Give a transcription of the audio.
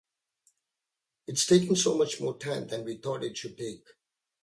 It's taken so much more time than we thought it should take.